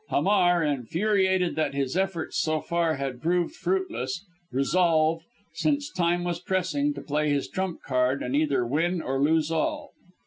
Hamar, infuriated that his efforts, so far, had proved fruitless, resolved, since time was pressing, to play his trump card and either win, or lose all.